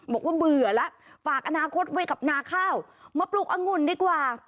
บอกว่าเบื่อแล้วฝากอนาคตไว้กับนาข้าวมาปลูกอังุ่นดีกว่า